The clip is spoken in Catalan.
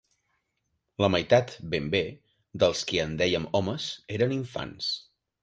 La meitat, ben bé, dels qui en dèiem «homes» eren infants